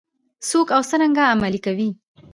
څوک او څرنګه عملي کوي؟